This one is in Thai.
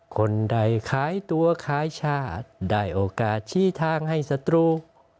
คนใดขายตัวขายชาติได้โอกาสชี้ทางให้ศัตรู